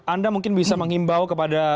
anda mungkin bisa mengimbau kepada